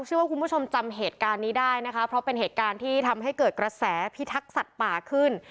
เชื่อว่าคุณผู้ชมจำเหตุการณ์นี้ได้นะคะเพราะเป็นเหตุการณ์ที่ทำให้เกิดกระแสพิทักษ์สัตว์ป่าขึ้น